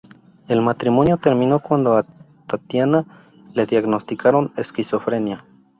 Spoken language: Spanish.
El matrimonio terminó cuando a Tatiana le diagnosticaron esquizofrenia.